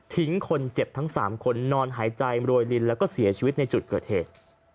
คนเจ็บทั้ง๓คนนอนหายใจรวยลินแล้วก็เสียชีวิตในจุดเกิดเหตุ